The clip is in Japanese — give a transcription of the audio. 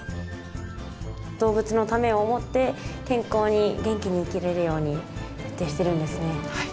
動物のためを思って健康に元気に生きれるように徹底してるんですね。